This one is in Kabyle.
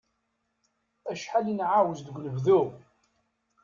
Acḥal i nεawez deg unebdu!